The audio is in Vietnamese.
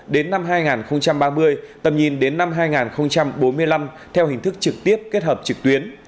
đến năm hai nghìn ba mươi tầm nhìn đến năm hai nghìn bốn mươi năm theo hình thức trực tiếp kết hợp trực tuyến